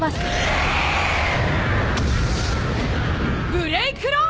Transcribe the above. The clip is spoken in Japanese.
ブレイクロー！